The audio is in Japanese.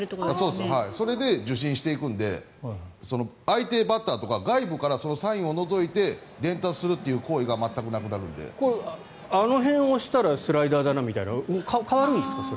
それで受信していくので相手バッターとか外部からサインをのぞいて伝達するという行為があの辺を押したらスライダーだなみたいな変わるんですか？